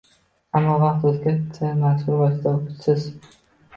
ammo vaqt o‘tgani sayin mazkur vosita kuchsiz